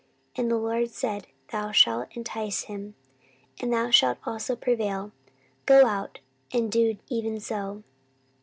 And the Lord said, Thou shalt entice him, and thou shalt also prevail: go out, and do even so.